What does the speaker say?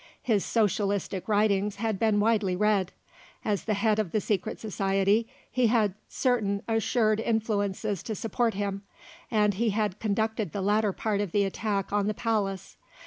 His socialistic writings had been widely read; as the head of the Secret Society he had certain assured influences to support him, and he had conducted the latter part of the attack on the palace.